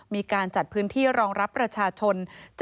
มีการจัดพื้นที่รองรับประชาชน